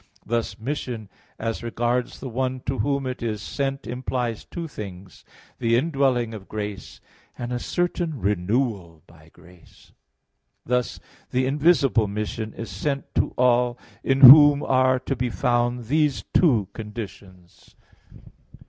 Thus, mission as regards the one to whom it is sent implies two things, the indwelling of grace, and a certain renewal by grace. Thus the invisible mission is sent to all in whom are to be found these two conditions.